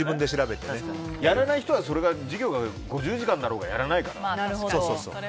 やらない人は、授業が５０時間だろうがやらないから。